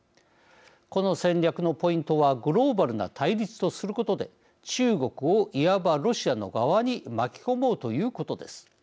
この戦略のポイントはグローバルな対立とすることで中国をいわばロシアの側に巻き込もうということです。